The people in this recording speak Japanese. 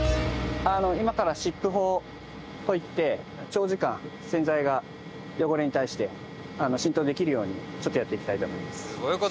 今から湿布法といって長時間洗剤が汚れに対して浸透できるようにちょっとやっていきたいと思います